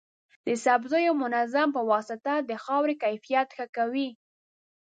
د سبزیو منظم پواسطه د خاورې کیفیت ښه کوي.